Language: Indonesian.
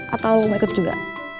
atau lo mau ikut juga